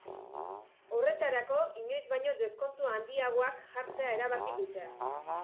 Horretarako, inoiz baino deskontu handiagoak jartzea erabaki dute.